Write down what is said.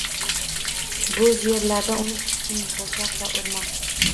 Bo’z yerlarda unib chiqsin boshoq va o’rmon.